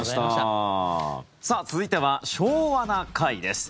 さあ、続いては「昭和な会」です。